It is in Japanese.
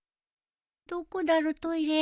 どこだろトイレ